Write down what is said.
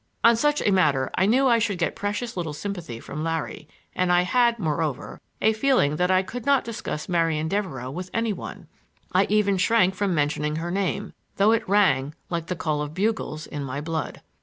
On such a matter I knew I should get precious little sympathy from Larry, and I had, moreover, a feeling that I could not discuss Marian Devereux with any one; I even shrank from mentioning her name, though it rang like the call of bugles in my blood.